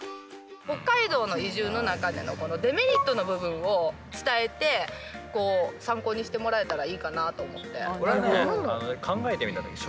北海道の移住の中でのこのデメリットの部分を伝えて参考にしてもらえたらいいかなと思って。